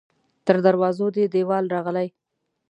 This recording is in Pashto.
تر دروازو دې دیوال راغلی